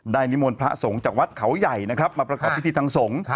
ดายนิมนภ์พระสงฆ์จากวัดเขาใหญ่มาประกอบพิธีทั้งสงฆ์